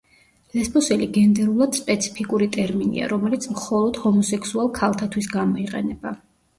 ლესბოსელი გენდერულად სპეციფიკური ტერმინია, რომელიც მხოლოდ ჰომოსექსუალ ქალთათვის გამოიყენება.